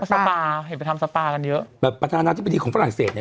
สปาเห็นไปทำสปากันเยอะแบบประธานาธิบดีของฝรั่งเศสเนี่ย